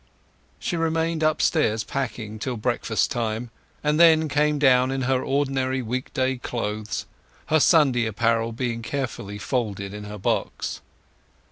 She remained upstairs packing till breakfast time, and then came down in her ordinary week day clothes, her Sunday apparel being carefully folded in her box.